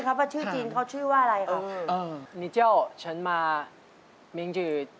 ว่าชื่อจินน้องนี้เขาชื่อว่าไรของเชิญมือ